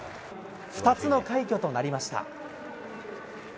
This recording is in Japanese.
２つの快挙となりました。